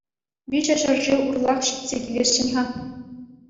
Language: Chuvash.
Виҫӗ ҫӗршыв урлах ҫитсе килесшӗн-ха.